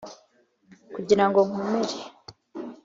kugira ngo nkomere.